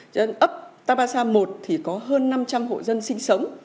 cho nên ấp tabasa một thì có hơn năm trăm linh hộ dân sinh sống